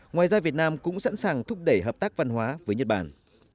ngoài ra việt nam cũng sẵn sàng thúc đẩy hợp tác văn hóa với nhật bản